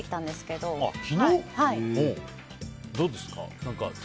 どうですか？